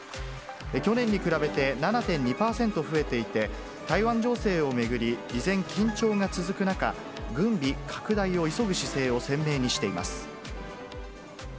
去年に比べて７．２％増えていて、台湾情勢を巡り、依然緊張が続く中、軍備拡大を急ぐ姿勢を鮮明にしています。